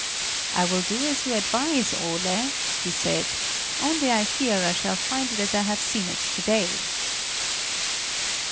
"I will do as you advise, Ole," he said; "only I fear I shall find it as I have seen it to day."